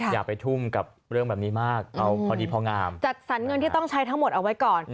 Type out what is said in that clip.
อย่าไปทุ่มกับเรื่องแบบนี้มากเอาพอดีพองามจัดสรรเงินที่ต้องใช้ทั้งหมดเอาไว้ก่อน